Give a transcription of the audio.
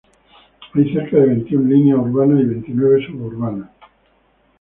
Hay cerca de veintiún líneas urbanas y veintinueve suburbanas.